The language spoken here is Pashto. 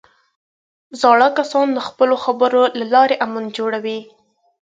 زاړه کسان د خپلو خبرو له لارې امن جوړوي